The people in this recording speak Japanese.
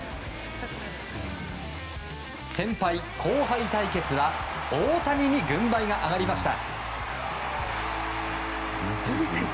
先輩・後輩対決は大谷に軍配が上がりました。